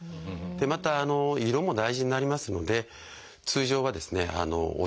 また色も大事になりますので通常はですね